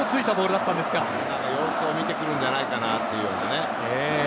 様子を見てくるんじゃないかなっていうね。